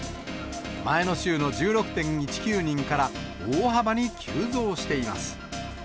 前の週の１６．１９人から大幅に急増しています。